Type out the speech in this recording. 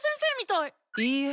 いいえ。